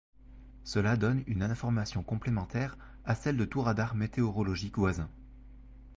Cela donne une information complémentaire à celle de tout radar météorologique voisin.